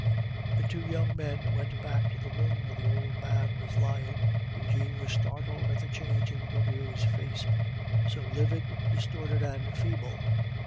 The two young men went back to the room where the old man was lying. Eugene was startled at the change in Goriot's face, so livid, distorted, and feeble.